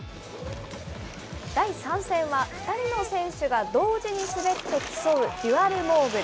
第３戦は、２人の選手が同時に滑って競うデュアルモーグル。